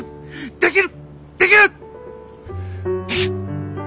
できる。